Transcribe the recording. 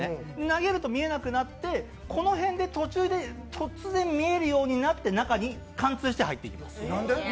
投げると見えなくなって、この辺で途中で突然見えるようになって中に貫通して入っていきます。